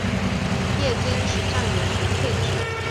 夜间是站员无配置。